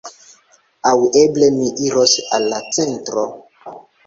Aŭ eble mi iros al la centro.